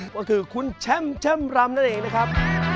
ก็คือคุณแช่มรำนั่นเองนะครับ